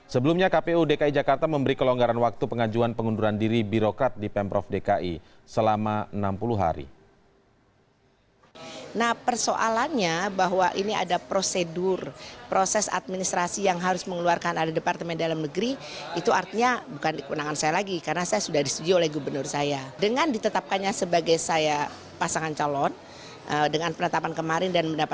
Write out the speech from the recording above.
sebelumnya kpu dki jakarta memberi kelonggaran waktu pengajuan pengunduran diri birokrat di pemprov dki selama enam puluh hari